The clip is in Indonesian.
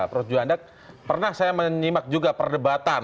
prof juanda pernah saya menyimak juga perdebatan